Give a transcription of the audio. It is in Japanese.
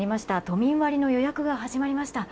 都民割の予約が始まりました。